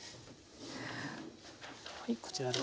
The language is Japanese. はいこちらで。